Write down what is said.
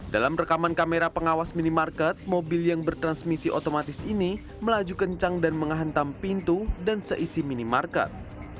dalam rekaman kamera pengawas minimarket mobil yang bertransmisi otomatis ini melaju kencang dan menghantam pintu dan seisi minimarket